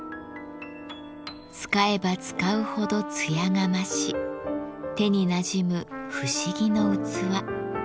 使えば使うほど艶が増し手になじむ不思議の器。